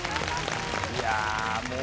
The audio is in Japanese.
いやあもう。